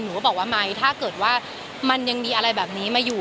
ก็บอกว่าไหมถ้าเกิดว่ามันยังมีอะไรแบบนี้มาอยู่